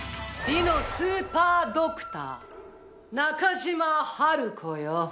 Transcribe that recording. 美のスーパードクター中島ハルコよ